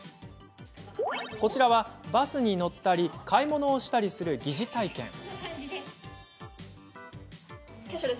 こちらはバスに乗ったり買い物をしたりする疑似体験。